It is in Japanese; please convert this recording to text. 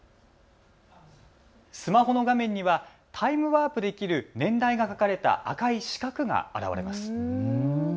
スマホの画面にはタイムワープできる年代が書かれた赤い四角が現れます。